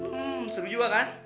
hmm seru juga kan